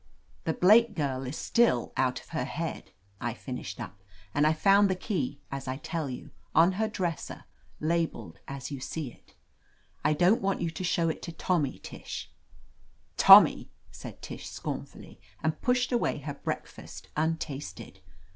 "The Blake girl is still out of her head/* I finished up, "and I found the key, as I tell you, on her dresser, labeled as you see it. I don't want you to show it to Tommy, Tish." 'Tommy I" said Tish scornfully, and pushed away her breakfast untasted.